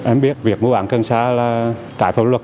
em biết việc mua bán cây cần xa là trái phẫu luật